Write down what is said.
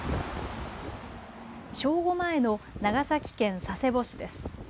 正午前の長崎県佐世保市です。